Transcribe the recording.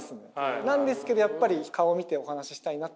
なんですけどやっぱり顔見てお話ししたいなっていう。